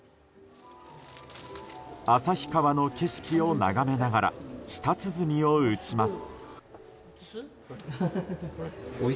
旭川の景色を眺めながら舌つづみを打ちます。